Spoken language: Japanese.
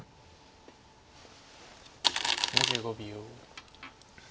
２５秒。